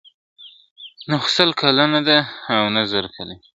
نه خو سل کلنه ده او نه زرکلنۍ ..